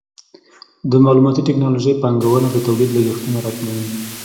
د معلوماتي ټکنالوژۍ پانګونه د تولید لګښتونه راکموي.